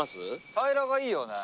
平らがいいよね。